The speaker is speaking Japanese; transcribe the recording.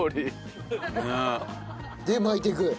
で巻いていく。